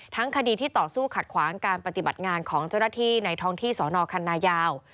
คดีที่ต่อสู้ขัดขวางการปฏิบัติงานของเจ้าหน้าที่ในท้องที่สนคันนายาว